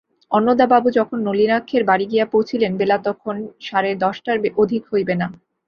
অন্নদাবাবু যখন নলিনাক্ষের বাড়ি গিয়া পৌঁছিলেন বেলা তখন সাড়ে দশটার অধিক হইবে না।